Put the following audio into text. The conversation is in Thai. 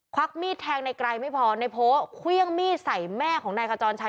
วักมีดแทงในไกรไม่พอในโพะเครื่องมีดใส่แม่ของนายขจรชัย